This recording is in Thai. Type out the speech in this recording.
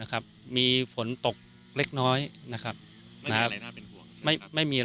ได้จัดเตรียมความช่วยเหลือประบบพิเศษสี่ชน